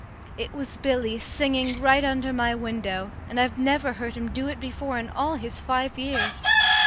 It was Billy singing right under my window, and I've never heard him do it before in all his five years.